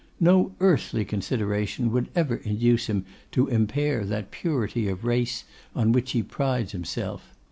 No earthly consideration would ever induce him to impair that purity of race on which he prides himself.